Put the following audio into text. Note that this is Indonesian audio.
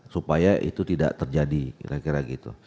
supaya itu tidak terjadi kira kira gitu